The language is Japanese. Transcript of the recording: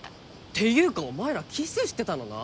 っていうかお前らキスしてたのな！